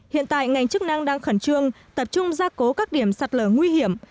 hiện tại ngành chức năng đang khẩn trương tập trung gia cố các điểm sạt lở nguy hiểm